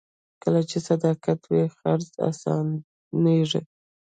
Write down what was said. کله چې صداقت وي، خرڅ اسانېږي.